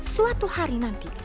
suatu hari nanti